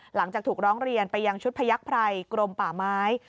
หลังจากถูกร้องเรียนไปยังชุดพยักษ์ไพรกรมป่าไม้